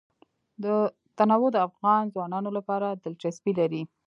تنوع د افغان ځوانانو لپاره دلچسپي لري.